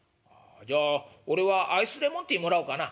「じゃあ俺はアイスレモンティーもらおうかな」。